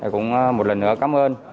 cũng một lần nữa cảm ơn